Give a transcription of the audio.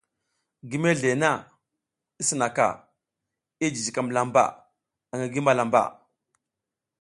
Gi mezle na i sinaka, i jijikam lamba angi gi malambaʼa.